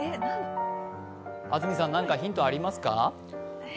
安住さん、何かヒントありますか？